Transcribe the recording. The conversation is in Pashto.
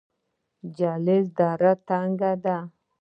د جلریز دره تنګه ده